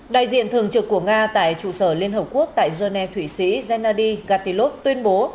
đại diện thường trực của nga tại trụ sở liên hợp quốc tại geneva thụy sĩ gennady gatilov tuyên bố